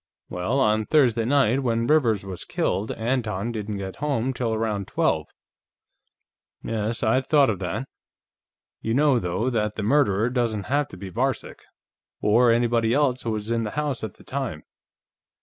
Well, on Thursday night, when Rivers was killed, Anton didn't get home till around twelve." "Yes, I'd thought of that. You know, though, that the murderer doesn't have to be Varcek, or anybody else who was in the house at the time.